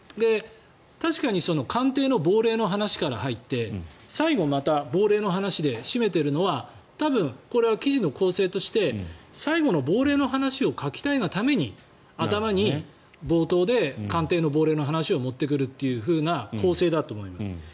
確かに官邸の亡霊の話から入って最後、また亡霊の話で締めているのは多分、これは記事の構成として最後の亡霊の話を書きたいがために頭に、冒頭で官邸の亡霊の話を持ってくるという構成だと思います。